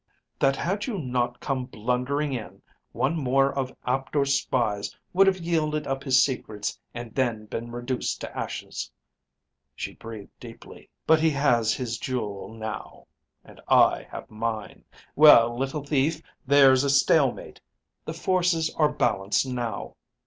"That had you not come blundering in, one more of Aptor's spies would have yielded up his secrets and then been reduced to ashes." She breathed deeply. "But he has his jewel now, and I have mine. Well, little thief, there's a stalemate. The forces are balanced now."